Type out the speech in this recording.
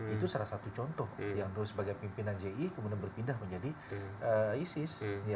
itu salah satu contoh yang dulu sebagai pimpinan ji kemudian berpindah menjadi isis